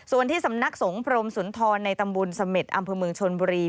ส่วนที่สำนักสงพรมสุนทรในตำบลเสม็ดอำเภอเมืองชนบุรี